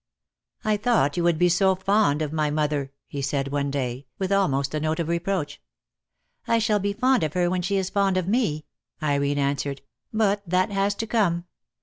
"I thought you would be so fond of my mother," he said one day, with almost a note of re proach. "I shall be fond of her when she is fond of me," Irene answered, "but that has to come.